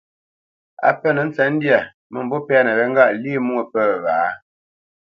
A penə́ ntsətndyâ, mə̂mbû pɛ́nə wé ŋgâʼ lî mwô pə̂ wǎ?